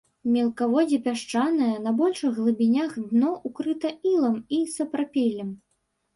Мелкаводдзе пясчанае, на большых глыбінях дно укрыта ілам і сапрапелем.